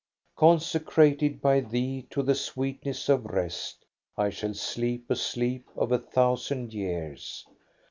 Consecrated by thee to the sweetness of rest, I shall sleep a sleep of a thousand years.